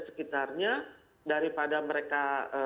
sekitarnya daripada mereka